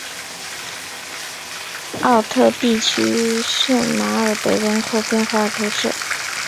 奥特地区圣马尔德人口变化图示